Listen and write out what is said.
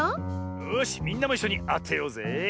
よしみんなもいっしょにあてようぜえ！